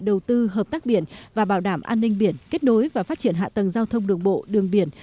đầu tư hợp tác biển và bảo đảm an ninh biển kết nối và phát triển hạ tầng giao thông đường bộ đường biển